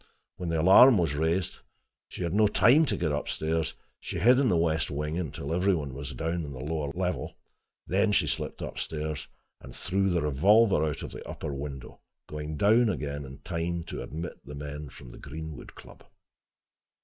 When the alarm was raised, she had had no time to get up stairs: she hid in the west wing until every one was down on the lower floor. Then she slipped upstairs, and threw the revolver out of an upper window, going down again in time to admit the men from the Greenwood Club.